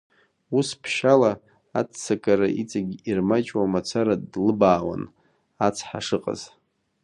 Ус ԥшьала, аццакыра иҵегь ирмаҷуа мацара длыбаауан, ацҳа шыҟаз.